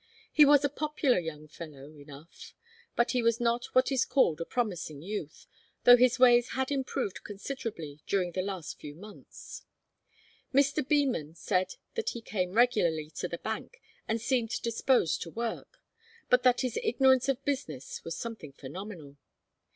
He was a popular young fellow enough, but he was not what is called a promising youth, though his ways had improved considerably during the last few months. Mr. Beman said that he came regularly to the bank and seemed disposed to work, but that his ignorance of business was something phenomenal.